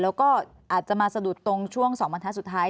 แล้วก็อาจจะมาสะดุดตรงช่วง๒บรรทัศน์สุดท้าย